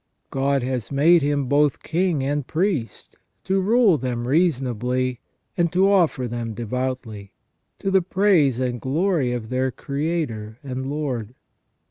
God has made him both king and priest, to rule them reasonably, and to offer them devoutly, to the praise and glory of their Creator and Lord.